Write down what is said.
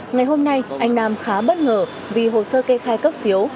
ngày hôm nay anh nam khá bất ngờ vì hồ sơ kê khai cấp phiếu